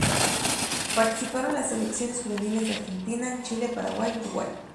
Participaron las selecciones juveniles de Argentina, Chile, Paraguay y Uruguay.